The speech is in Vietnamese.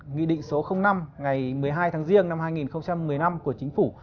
nghị định số năm ngày một mươi hai tháng riêng năm hai nghìn một mươi năm của chính phủ